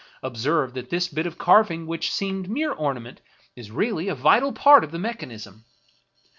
Observe that this bit of carving, which seemed mere ornament, is really a vital part of the mechan ism.